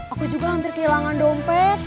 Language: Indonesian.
aku juga hampir kehilangan dompet